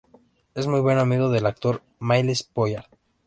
Es muy buen amigo del actor Myles Pollard.